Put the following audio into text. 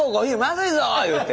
言うて。